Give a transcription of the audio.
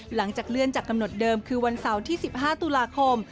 หลังจากเลื่อนจากกำหนดเดิมคือวันเสาร์ที่๑๕ตุลาคม